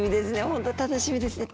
本当楽しみですね。